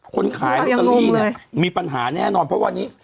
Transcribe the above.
ขายลอตเตอรี่เนี่ยมีปัญหาแน่นอนเพราะวันนี้